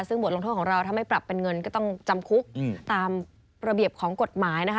ซึ่งบทลงโทษของเราถ้าไม่ปรับเป็นเงินก็ต้องจำคุกตามระเบียบของกฎหมายนะคะ